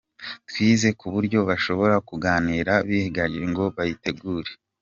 Twize ku buryo bashobora kuganiraho bihagije ngo bayitegure.